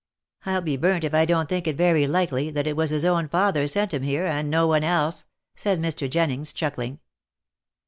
" I'll be burnt if I don't think it very likely that it was his own father sent him here, and no one else," said Mr. Jennings, chuckling.